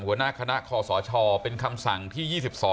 หัวหน้าคณะคอสชเป็นคำสั่งที่๒๒